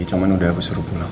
cuman udah suruh pulang